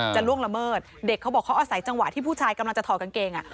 ล่วงละเมิดเด็กเขาบอกเขาอาศัยจังหวะที่ผู้ชายกำลังจะถอดกางเกง